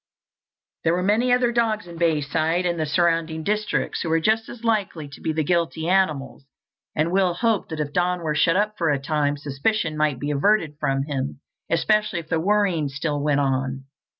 There were many other dogs in Bayside and the surrounding districts who were just as likely to be the guilty animals, and Will hoped that if Don were shut up for a time, suspicion might be averted from him, especially if the worryings still went on.